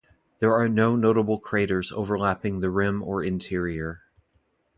There are no notable craters overlapping the rim or interior.